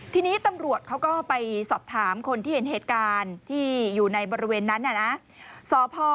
ทีนี้ตำรวจเขาก็ไปสอบถามคนที่เห็นเหตุการณ์ที่อยู่ในบริเวณนั้นน่ะนะ